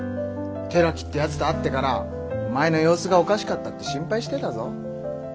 寺木ってやつと会ってからお前の様子がおかしかったって心配してたぞ。